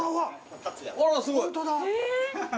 あらすごい。